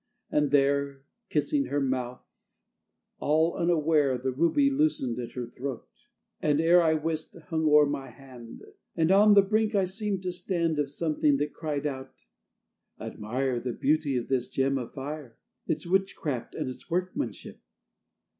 And there, Kissing her mouth, all unaware The ruby loosened at her throat, And, ere I wist, hung o'er my hand, And on the brink I seemed to stand Of something that cried out, "Admire The beauty of this gem of fire, Its witchcraft and its workmanship."